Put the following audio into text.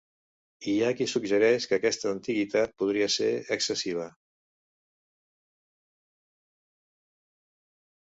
Hi ha qui suggereix que aquesta antiguitat podria ser excessiva.